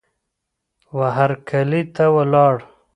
وهرکلې ته ولاړ